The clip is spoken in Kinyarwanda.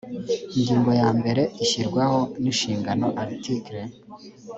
ingingo yambere ishyirwaho n inshingano article